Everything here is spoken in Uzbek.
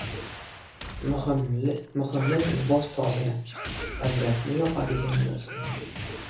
muhimi libos toza, avratni yopadigan bo‘lsin.